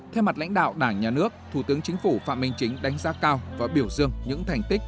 theo mặt lãnh đạo đảng nhà nước thủ tướng chính phủ phạm minh chính đánh giá cao và biểu dương những thành tích